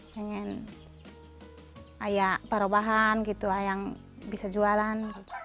pengen ayak parah bahan ayang bisa jualan